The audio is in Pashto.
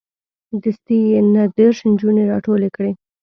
دستې یې نه دېرش نجونې راټولې کړې.